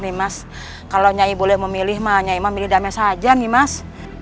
nih mas kalau nyai boleh memilih maanya imam ini damai saja nih mas